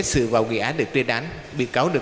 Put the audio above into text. trong đó trẻ diệp chỉ có sáu tuổi